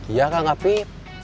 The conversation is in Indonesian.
iya kang afif